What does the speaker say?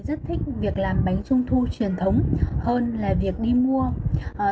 rất thích việc làm bánh trung thu truyền thống hơn là việc đi mua